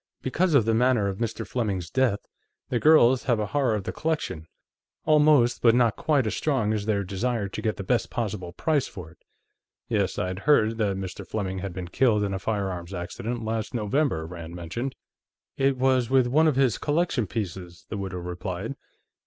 "Because of the manner of Mr. Fleming's death, the girls have a horror of the collection almost but not quite as strong as their desire to get the best possible price for it." "Yes. I'd heard that Mr. Fleming had been killed in a firearms accident, last November," Rand mentioned. "It was with one of his collection pieces," the widow replied.